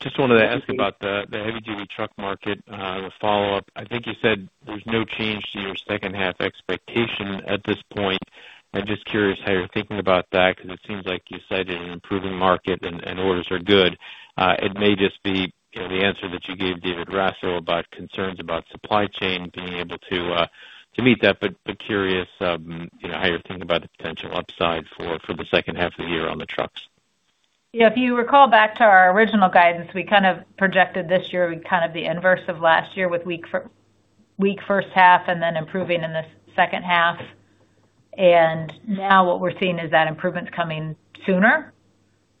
[SPEAKER 11] Just wanted to ask about the heavy-duty truck market. To follow up, I think you said there's no change to your H2 expectation at this point. I'm just curious how you're thinking about that because it seems like you said an improving market and orders are good. It may just be, you know, the answer that you gave David Raso about concerns about supply chain being able to meet that, but curious, you know, how you're thinking about the potential upside for the H2 of the year on the trucks.
[SPEAKER 3] Yeah. If you recall back to our original guidance, we kind of projected this year kind of the inverse of last year with weak H1 and then improving in the H2. Now what we're seeing is that improvement coming sooner.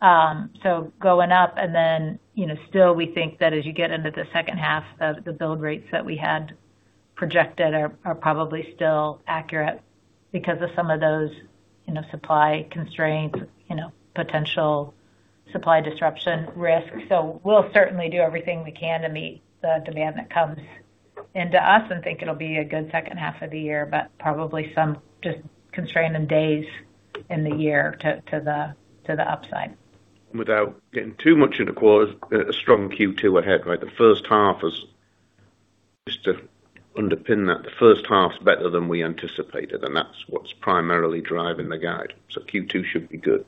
[SPEAKER 3] Going up and then, you know, still we think that as you get into the H2, the build rates that we had projected are probably still accurate because of some of those, you know, supply constraints, you know, potential supply disruption risk. We'll certainly do everything we can to meet the demand that comes. To us, I think it'll be a good H2 of the year, but probably some just constraint in days in the year to the upside.
[SPEAKER 4] Without getting too much into quarters, a strong Q2 ahead, right? Just to underpin that, the H1 is better than we anticipated, that's what's primarily driving the guide. Q2 should be good.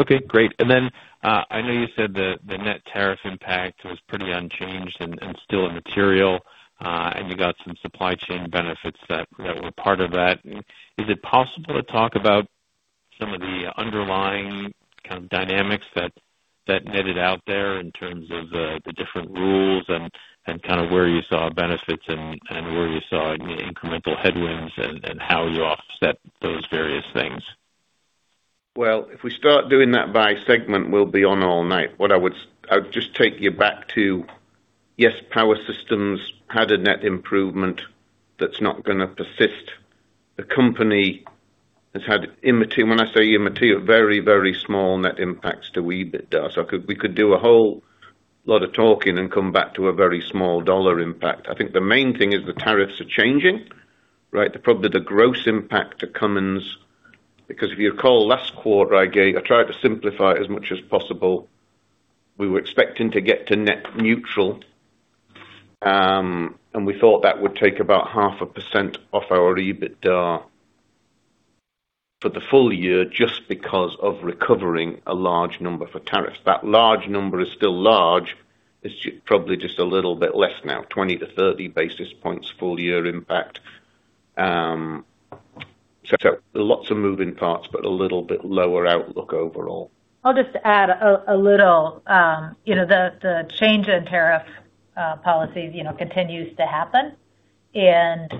[SPEAKER 11] Okay, great. I know you said the net tariff impact was pretty unchanged and still immaterial, and you got some supply chain benefits that were part of that. Is it possible to talk about some of the underlying kind of dynamics that netted out there in terms of the different rules and kind of where you saw benefits and where you saw any incremental headwinds and how you offset those various things?
[SPEAKER 4] Well, if we start doing that by segment, we'll be on all night. I would just take you back to, yes, Power Systems had a net improvement that's not going to persist. The company has had immaterial, when I say immaterial, very, very small net impacts to EBITDA. We could do a whole lot of talking and come back to a very small dollar impact. I think the main thing is the tariffs are changing, right? Probably the gross impact to Cummins, because if you recall last quarter, I tried to simplify it as much as possible. We were expecting to get to net neutral, and we thought that would take about half a percent off our EBITDA for the full year just because of recovering a large number for tariffs. That large number is still large. It's probably just a little bit less now, 20-30-basis points full-year impact. Lots of moving parts, but a little bit lower outlook overall.
[SPEAKER 3] I'll just add a little, you know, the change in tariff policy, you know, continues to happen, and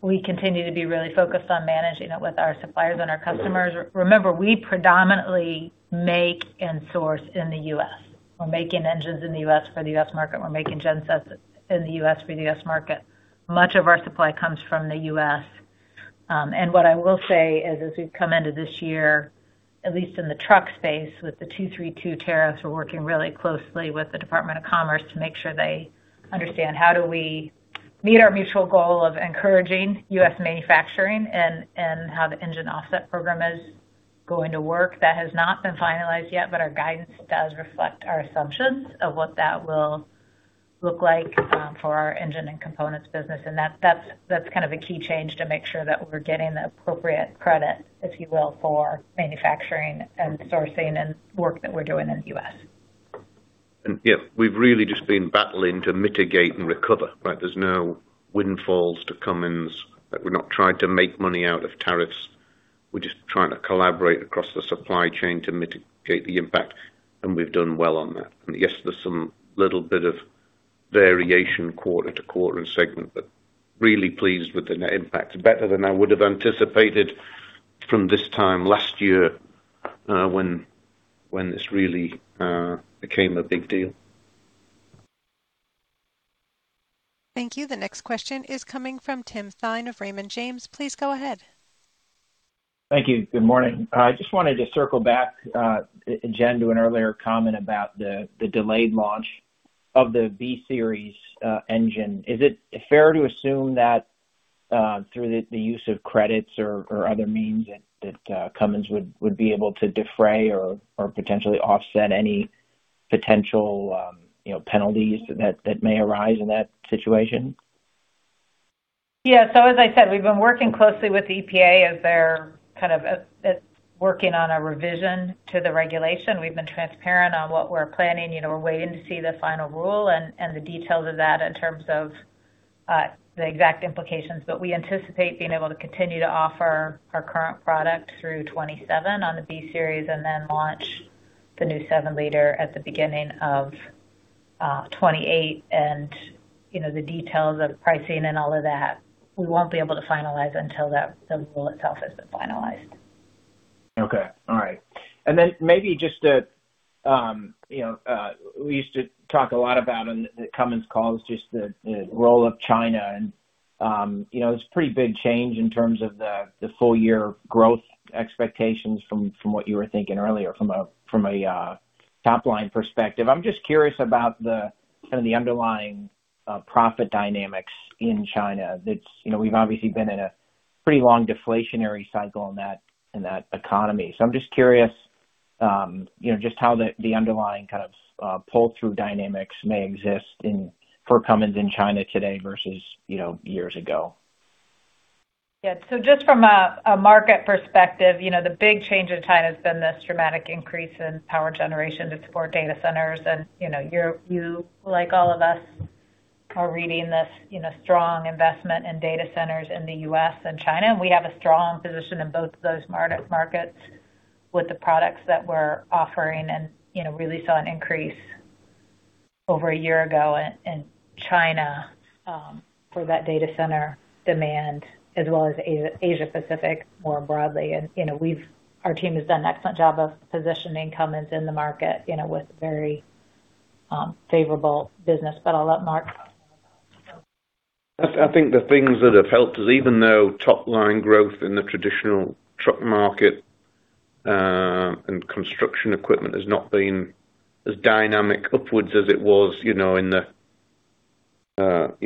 [SPEAKER 3] we continue to be really focused on managing it with our suppliers and our customers. Remember, we predominantly make and source in the U.S. We're making engines in the U.S. for the U.S. market. We're making gen sets in the U.S. for the U.S. market. Much of our supply comes from the U.S. What I will say is, as we've come into this year, at least in the truck space with the 232 tariffs, we're working really closely with the Department of Commerce to make sure they understand how we meet our mutual goal of encouraging U.S. manufacturing and how the engine offset program is going to work. That has not been finalized yet, but our guidance does reflect our assumptions of what that will look like for our engine and components business. That's kind of a key change to make sure that we're getting the appropriate credit, if you will, for manufacturing and sourcing and work that we're doing in the U.S.
[SPEAKER 4] Yeah, we've really just been battling to mitigate and recover. Like, there's no windfalls to Cummins. We're not trying to make money out of tariffs. We're just trying to collaborate across the supply chain to mitigate the impact, and we've done well on that. Yes, there's some little bit of variation quarter-to-quarter and segment but really pleased with the net impact. Better than I would have anticipated from this time last year, when this really became a big deal.
[SPEAKER 1] Thank you. The next question is coming from Tim Thein of Raymond James. Please go ahead.
[SPEAKER 12] Thank you. Good morning. I just wanted to circle back, Jen, to an earlier comment about the delayed launch of the B-Series engine. Is it fair to assume that, through the use of credits or other means that Cummins would be able to defray or potentially offset any potential, you know, penalties that may arise in that situation?
[SPEAKER 3] As I said, we've been working closely with EPA as they're kind of, Working on a revision to the regulation. We've been transparent on what we're planning. You know, we're waiting to see the final rule and the details of that in terms of the exact implications. We anticipate being able to continue to offer our current product through 2027 on the B-Series and then launch the new seven-liter at the beginning of 2028. You know, the details of pricing and all of that, we won't be able to finalize until the rule itself has been finalized.
[SPEAKER 12] Okay. All right. Maybe just a, you know, we used to talk a lot about on the Cummins calls, just the role of China, and, you know, it's a pretty big change in terms of the full year growth expectations from what you were thinking earlier from a top-line perspective. I'm just curious about the kind of the underlying profit dynamics in China that's, you know, we've obviously been in a pretty long deflationary cycle in that economy. I'm just curious, you know, just how the underlying kind of pull-through dynamics may exist for Cummins in China today versus, you know, years ago.
[SPEAKER 3] Yeah. Just from a market perspective, you know, the big change in China has been this dramatic increase in power generation to support data centers. You know, you, like all of us, are reading this, you know, strong investment in data centers in the U.S. and China. We have a strong position in both of those markets with the products that we're offering and, you know, really saw an increase over a year ago in China for that data center demand as well as Asia Pacific more broadly. You know, our team has done an excellent job of positioning Cummins in the market, you know, with very favorable business. I'll let Mark talk more about it.
[SPEAKER 4] I think the things that have helped us, even though top-line growth in the traditional truck market and construction equipment has not been as dynamic upwards as it was, you know, in the 5-10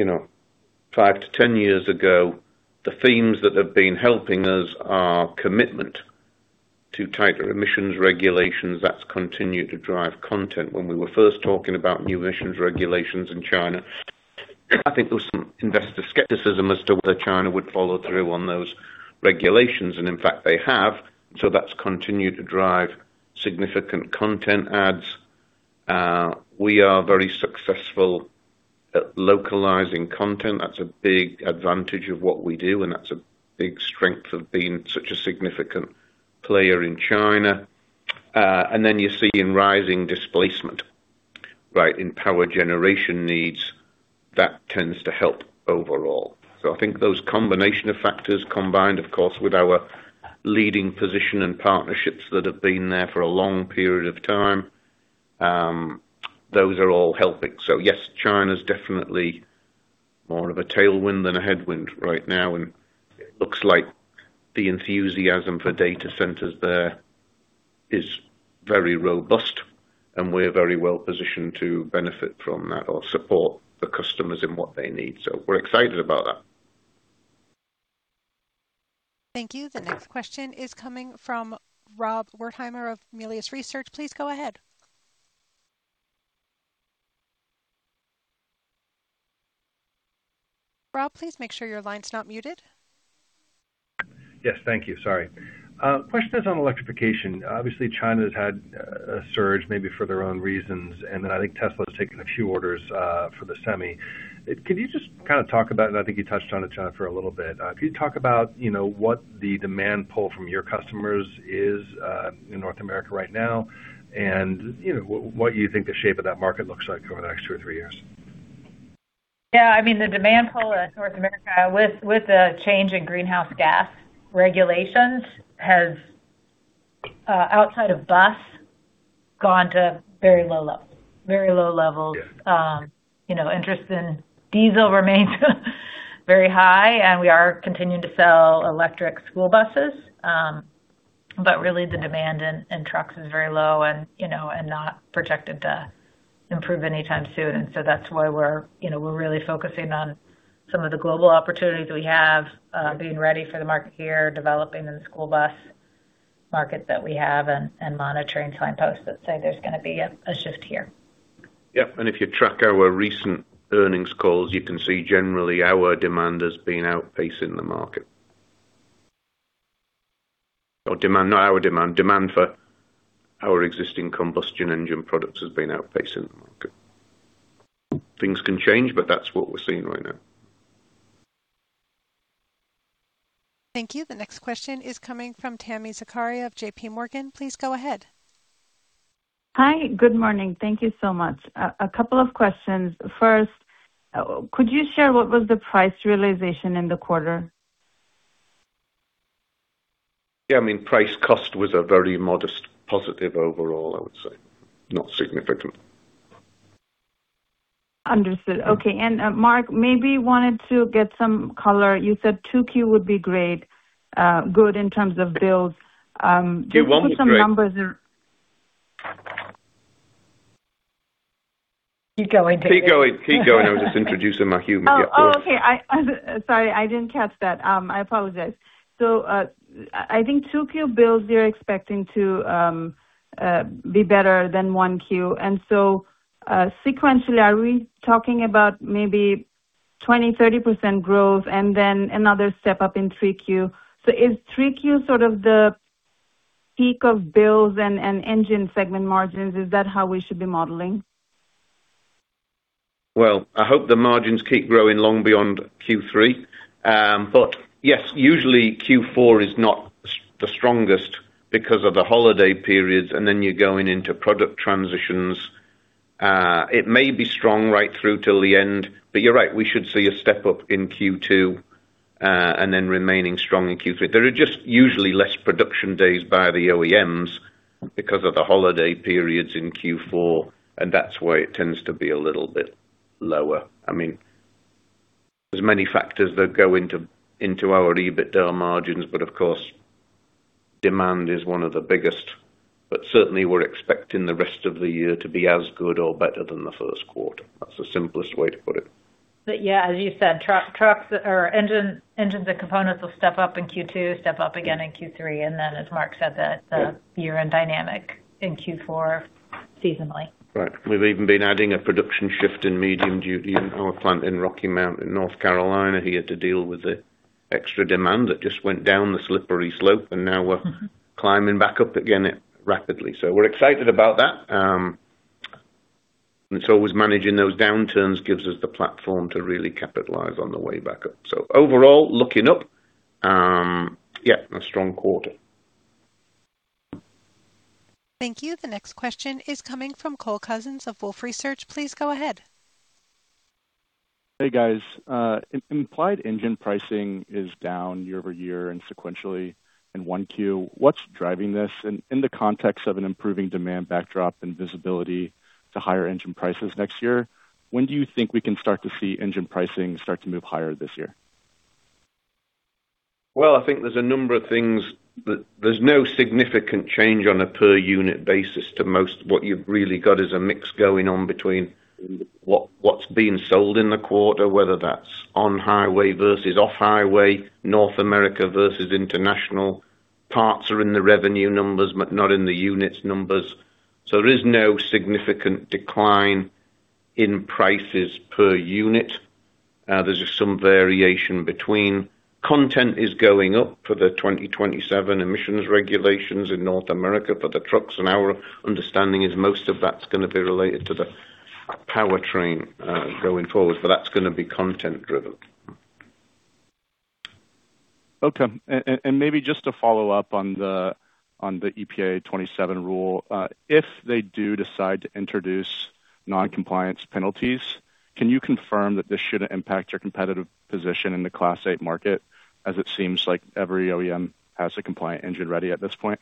[SPEAKER 4] years ago, the themes that have been helping us are commitment to tighter emissions regulations that's continued to drive content. When we were first talking about new emissions regulations in China, I think there was some investor skepticism as to whether China would follow through on those regulations. In fact, they have. That's continued to drive significant content adds. We are very successful at localizing content. That's a big advantage of what we do, and that's a big strength of being such a significant player in China. Then you're seeing rising displacement, right, in power generation needs. That tends to help overall. I think that combination of factors combined, of course, with our leading position and partnerships that have been there for a long period of time, those are all helping. Yes, China's definitely more of a tailwind than a headwind right now, and it looks like the enthusiasm for data centers there is very robust, and we're very well-positioned to benefit from that or support the customers in what they need. We're excited about that.
[SPEAKER 1] Thank you.
[SPEAKER 4] Okay.
[SPEAKER 1] The next question is coming from Rob Wertheimer of Melius Research. Please go ahead. Rob, please make sure your line's not muted.
[SPEAKER 13] Yes. Thank you. Sorry. Question is on electrification. Obviously, China's had a surge maybe for their own reasons, and then I think Tesla has taken a few orders for the semi. Could you just kind of talk about, and I think you touched on it, Jennifer, a little bit. Could you talk about, you know, what the demand pull from your customers is in North America right now and, you know, what you think the shape of that market looks like over the next two or three years?
[SPEAKER 3] Yeah. I mean, the demand pull in North America with the change in greenhouse gas regulations has outside of bus, gone to very low levels. Very low levels.
[SPEAKER 13] Yeah.
[SPEAKER 3] you know, interest in diesel remains very high, and we are continuing to sell electric school buses. but really the demand in trucks is very low and, you know, and not projected to improve anytime soon. That's why we're, you know, we're really focusing on some of the global opportunities we have, being ready for the market here, developing in the school bus market that we have and monitoring signposts that say there's going to be a shift here.
[SPEAKER 4] Yeah. If you track our recent earnings calls, you can see generally our demand has been outpacing the market. Demand, not our demand for our existing combustion engine products has been outpacing the market. Things can change, but that's what we're seeing right now.
[SPEAKER 1] Thank you. The next question is coming from Tami Zakaria of J.P. Morgan. Please go ahead.
[SPEAKER 14] Hi. Good morning. Thank you so much. A couple of questions. First, could you share what was the price realization in the quarter?
[SPEAKER 4] Yeah. I mean, price cost was a very modest positive overall, I would say. Not significant.
[SPEAKER 14] Understood. Okay. Mark, maybe wanted to get some color. You said 2Q would be great, good in terms of builds. Can you put some numbers?
[SPEAKER 4] It won't be great.
[SPEAKER 3] Keep going.
[SPEAKER 4] Keep going. I was just introducing my humor. Yeah, go on.
[SPEAKER 14] Oh, okay. I'm sorry. I didn't catch that. I apologize. I think 2Q builds, you're expecting to be better than 1Q. Sequentially, are we talking about maybe 20%, 30% growth, another step up in 3Q. Is 3Q sort of the peak of B-Series and engine segment margins? Is that how we should be modeling?
[SPEAKER 4] I hope the margins keep growing long beyond Q3. Yes, usually Q4 is not the strongest because of the holiday periods, you're going into product transitions. It may be strong right through till the end, you're right, we should see a step up in Q2, remaining strong in Q3. There are just usually less production days by the OEMs because of the holiday periods in Q4, that's why it tends to be a little bit lower. I mean, there's many factors that go into our EBITDA margins, of course, demand is one of the biggest. Certainly, we're expecting the rest of the year to be as good or better than the Q1. That's the simplest way to put it.
[SPEAKER 3] Yeah, as you said, trucks or engines and components will step up in Q2, step up again in Q3, and then as Mark said, the year-end dynamic in Q4 seasonally.
[SPEAKER 4] Right. We've even been adding a production shift in medium duty in our plant in Rocky Mount in North Carolina here to deal with the extra demand that just went down the slippery slope. climbing back up again rapidly. We're excited about that. Managing those downturns gives us the platform to really capitalize on the way back up. Overall, looking up. Yeah, a strong quarter.
[SPEAKER 1] Thank you. The next question is coming from Cole Couzens of Wolfe Research. Please go ahead.
[SPEAKER 15] Hey, guys. Implied engine pricing is down year-over-year and sequentially in 1 Q. What's driving this? In the context of an improving demand backdrop and visibility to higher engine prices next year, when do you think, we can start to see engine pricing start to move higher this year?
[SPEAKER 4] Well, I think there's a number of things. There's no significant change on a per unit basis to most. What you've really got is a mix going on between what's being sold in the quarter, whether that's on highway versus off highway, North America versus international. Parts are in the revenue numbers, but not in the units' numbers. There is no significant decline in prices per unit. There's just some variation between. Content is going up for the 2027 emissions regulations in North America for the trucks, and our understanding is most of that's going to be related to the powertrain, going forward, but that's going to be content-driven.
[SPEAKER 15] Okay. Maybe just to follow up on the EPA 2027 rule. If they do decide to introduce non-compliance penalties, can you confirm that this shouldn't impact your competitive position in the Class eight market, as it seems like every OEM has a compliant engine ready at this point?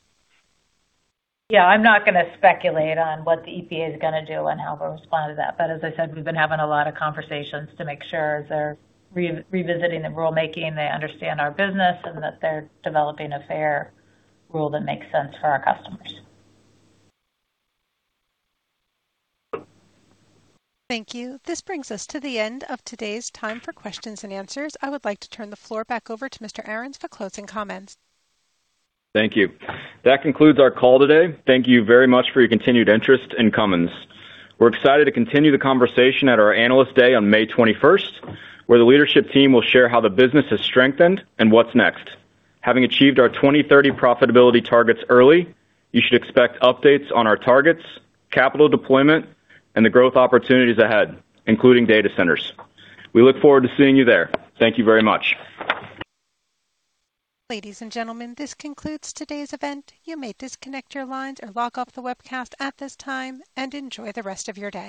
[SPEAKER 3] Yeah. I'm not going to speculate on what the EPA is going to do and how we'll respond to that. As I said, we've been having a lot of conversations to make sure as they're re-revisiting the rulemaking, they understand our business and that they're developing a fair rule that makes sense for our customers.
[SPEAKER 1] Thank you. This brings us to the end of today's time for questions and answers. I would like to turn the floor back over to Mr. Arens for closing comments.
[SPEAKER 2] Thank you. That concludes our call today. Thank you very much for your continued interest in Cummins. We're excited to continue the conversation at our Analyst Day on May 21st, where the leadership team will share how the business has strengthened and what's next. Having achieved our 2030 profitability targets early, you should expect updates on our targets, capital deployment, and the growth opportunities ahead, including data centers. We look forward to seeing you there. Thank you very much.
[SPEAKER 1] Ladies and gentlemen, this concludes today's event. You may disconnect your lines or log off the webcast at this time and enjoy the rest of your day.